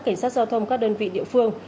cảnh sát giao thông các đơn vị địa phương